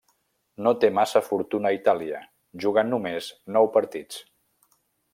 No té massa fortuna a Itàlia, jugant només nou partits.